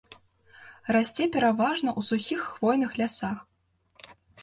Расце пераважна ў сухіх хвойных лясах.